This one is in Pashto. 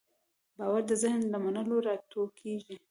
باور د ذهن له منلو راټوکېږي.